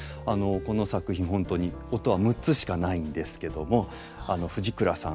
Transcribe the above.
この作品本当に音は６つしかないんですけども藤倉さん